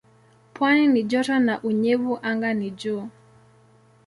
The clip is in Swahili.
Pwani ni joto na unyevu anga ni juu.